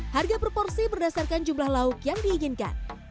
harga per porsi berdasarkan jumlah lauk yang diinginkan